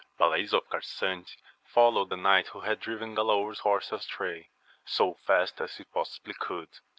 ALAYS of Carsante followed the knight who had driven Galaor's horse astray, so fast as possibly he could.